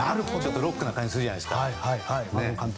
ロックな感じがするじゃないですか。